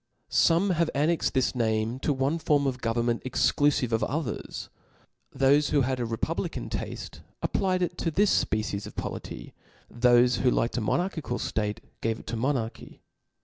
Some have ^^^'^ annexed this name to one form of government ex '*'* iclqfive of others : Thofe who had a republican tafte^ applied it to this fpecies of polity ; thofe who liked a monarchical ftate, gave it to monarchy f*.